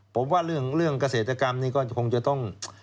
ผมว่าเรื่องเกษตรกรรมนี้ก็คงจะต้อง